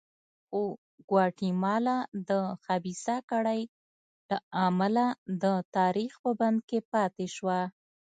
خو ګواتیمالا د خبیثه کړۍ له امله د تاریخ په بند کې پاتې شوه.